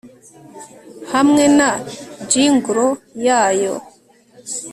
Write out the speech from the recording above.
Hamwe na jingle yayo